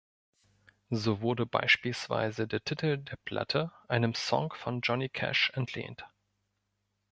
So wurde beispielsweise der Titel der Platte einem Song von Johnny Cash entlehnt.